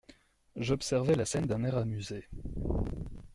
J’observais la scène d’un air amusé.